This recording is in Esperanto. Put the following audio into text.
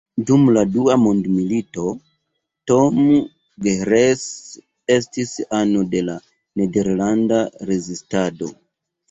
Dum la dua mondmilito, Tom Gehrels estis ano de la nederlanda rezistado.